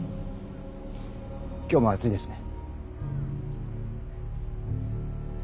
今日も暑いですね。